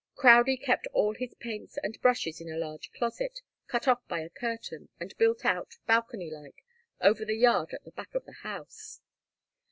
Crowdie kept all his paints and brushes in a large closet, cut off by a curtain, and built out, balcony like, over the yard at the back of the house.